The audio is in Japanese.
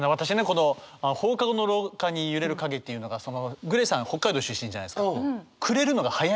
この「放課後の廊下に揺れる影」っていうのがＧＬＡＹさん北海道出身じゃないですか。